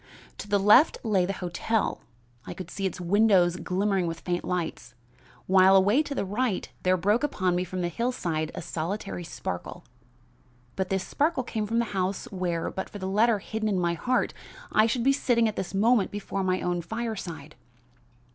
To the left lay the hotel. I could see its windows glimmering with faint lights, while, away to the right, there broke upon me from the hillside a solitary sparkle; but this sparkle came from the house where, but for the letter hidden in my heart, I should be sitting at this moment before my own fireside.